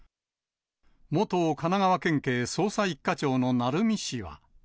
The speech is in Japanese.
元神奈川県警捜査一課長の鳴海氏は。